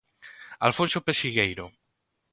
Alfonso Pexegueiro.